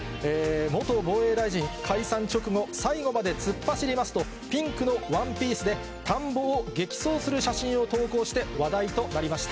元防衛大臣、解散直後、最後まで突っ走りますと、ピンクのワンピースで田んぼを激走する写真を投稿して話題となりました。